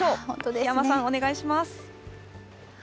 檜山さん、お願いします。